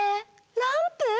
ランプ？